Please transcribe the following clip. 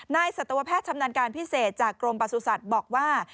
สัตวแพทย์ชำนาญการพิเศษจากกรมประสุทธิ์บอกว่า